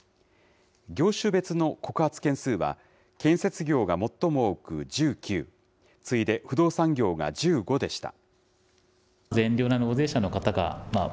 業種別の告発件数は、建設業が最も多く１９、次いで不動産業が１５でした。